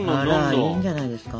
あらいいんじゃないですか？